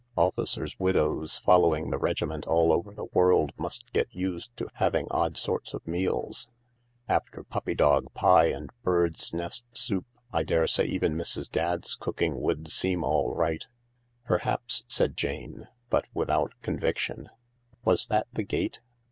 Officers' widows following the regiment all over the world must get used to having odd sorts of meals. After puppy dog pie and birds nest soup I daresay even Mrs. Dadd's cooking would seem all right." " Perhaps," said Jane, but without conviction. " Was that the gate